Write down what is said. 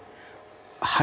はい。